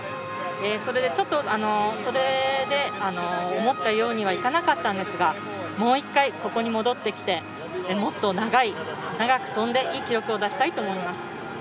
それで、ちょっと思ったようにはいかなかったんですがもう１回ここに戻ってきてもっと長く跳んでいい記録を出したいと思います。